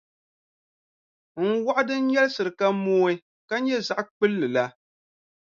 N wɔɣu din nyɛlisira ka mooi ka nyɛ zaɣʼ kpulli la.